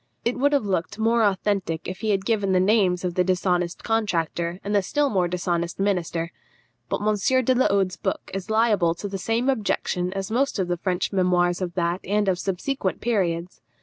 It would have looked more authentic if he had given the names of the dishonest contractor and the still more dishonest minister. But M. de la Hode's book is liable to the same objection as most of the French memoirs of that and of subsequent periods.